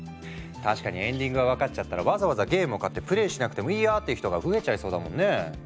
確かにエンディングが分かっちゃったらわざわざゲームを買ってプレーしなくてもいいやって人が増えちゃいそうだもんね。